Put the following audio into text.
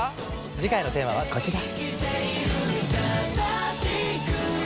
次回のテーマはこちら。